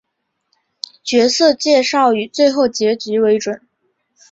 角色介绍以最后结局为准。